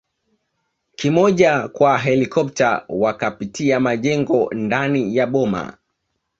kimoja kwa helikopta wakapitia majengo ndani ya boma